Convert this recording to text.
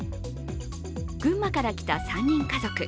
群馬から来た３人家族。